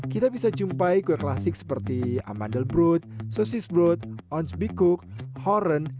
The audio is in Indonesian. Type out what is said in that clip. kita bisa jumpai kue klasik seperti amandelbrot sosis brot ong bicook horon